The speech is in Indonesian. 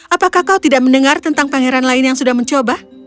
apakah kau tidak mendengar tentang pangeran lain yang sudah mencoba